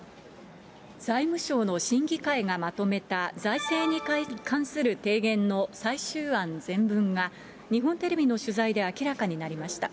財務省の審議会がまとめた財政に関する提言の最終案全文が、日本テレビの取材で明らかになりました。